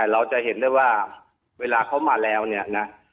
เราจะเห็นได้ว่าเวลาเขามาแล้วเนี่ยนะ